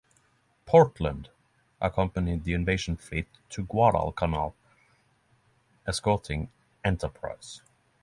"Portland" accompanied the invasion fleet to Guadalcanal, escorting "Enterprise".